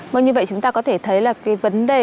vâng như vậy chúng ta có thể thấy là cái vấn đề